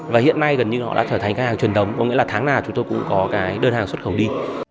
và hiện nay gần như họ đã thành hàng truyền thống có nghĩa là tháng nào chúng tôi cũng có đơn hàng xuất khẩu đi